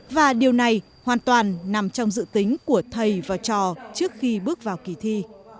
và điều này hoàn toàn nằm trong dự tính của thầy và trò trước khi bước vào kỳ thi